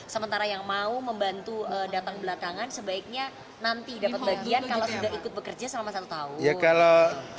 sementara yang mau membantu datang belakangan sebaiknya nanti dapat bagian kalau sudah ikut bekerja selama satu tahun